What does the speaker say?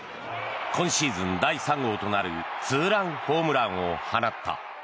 今シーズン第３号となるツーランホームランを放った。